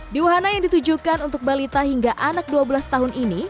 di wahana yang ditujukan untuk balita hingga anak dua belas tahun ini